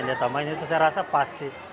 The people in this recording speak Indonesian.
dia tambahin itu saya rasa pas sih